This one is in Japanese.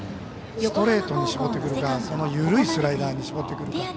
ストレートに絞ってくるか緩いスライダーに絞ってくるか。